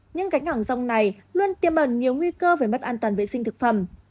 những cánh ngẳng rong này luôn tiêm bẩn nhiều nguy cơ về mất an toàn vệ sinh thực phẩm